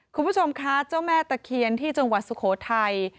คุณผู้ชมคะเจ้าแม่ตะเคียนที่จังหวัดสุโขทัย